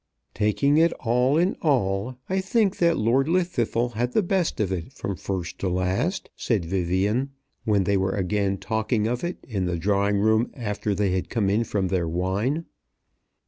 "Taking it all in all, I think that Lord Llwddythlw had the best of it from first to last," said Vivian, when they were again talking of it in the drawing room after they had come in from their wine.